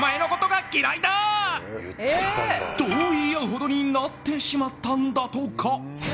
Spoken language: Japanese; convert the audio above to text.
と、言い合うほどになってしまったんだとか。